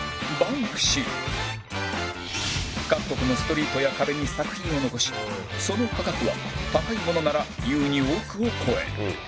各国のストリートや壁に作品を残しその価格は高いものなら優に億を超える